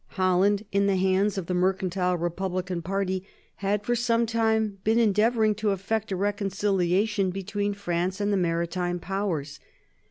Holland, in the hands of the mercantile Republican party, had for some time been endeavouring to effect a reconciliation between France and the Maritime Powers.